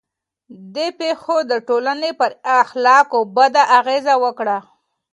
دې پېښو د ټولنې پر اخلاقو بده اغېزه وکړه.